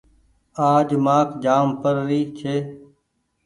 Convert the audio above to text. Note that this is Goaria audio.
آج مآک جآم پڙري ڇي۔